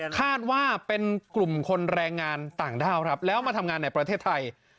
คาดว่าเป็นกลุ่มคนแรงงานต่างด้าวครับแล้วมาทำงานในประเทศไทย